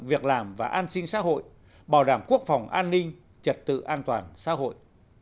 việc làm và an sinh xã hội bảo đảm quốc phòng an ninh trật tự an toàn xã hội